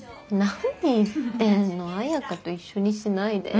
何言ってんの綾花と一緒にしないで。